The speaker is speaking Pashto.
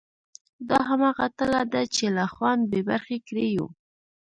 دا همغه تله ده چې له خوند بې برخې کړي یو.